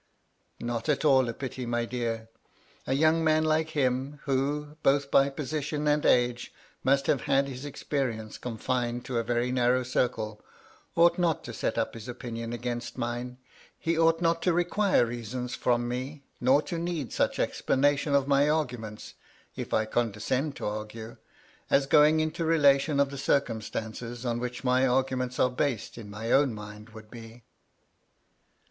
" Not at all a pity, my dear. A young man like him, who, both by position and age must have had his experience confined to a very narrow circle, ought not to set up his o|nnion against mine ; he ought not to require reasons from me, nor to need such explanation of my arguments (if I condescend to argue), as going into relation of the circumstances on which my argu ments are based in my own mmd, would be."